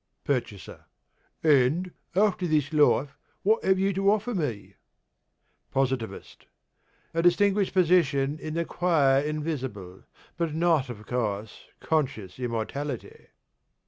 PURCHASER: And, after this life, what have you to offer me? POSITIVIST: A distinguished position in the Choir Invisible: but not, of course, conscious immortality.